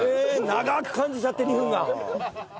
長く感じちゃって２分が。